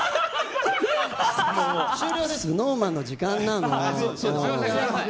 ＳｎｏｗＭａｎの時間なの。